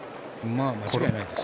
間違いないですね。